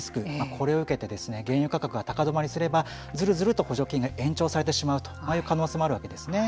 これを受けて原油価格が高止まりすればずるずると補助金が延長されてしまうという可能性もあるわけですね。